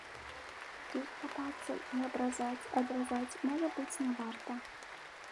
Тут хапацца і абразаць, адразаць, можа быць, не варта.